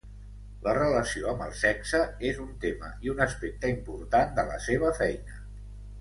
La relació amb el sexe és un tema i un aspecte important de la seva feina.